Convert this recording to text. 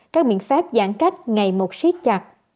các biện pháp giãn cách ngày một siết chặt